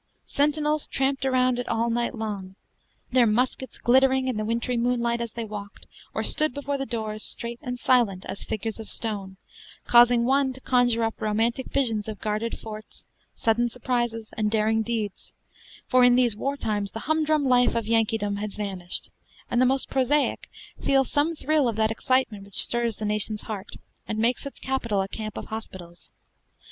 Sentinels tramped round it all night long, their muskets glittering in the wintry moonlight as they walked, or stood before the doors straight and silent as figures of stone, causing one to conjure up romantic visions of guarded forts, sudden surprises, and daring deeds; for in these war times the humdrum life of Yankeedom has vanished, and the most prosaic feel some thrill of that excitement which stirs the Nation's heart, and makes its capital a camp of hospitals.